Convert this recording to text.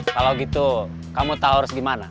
kalau gitu kamu tau harus gimana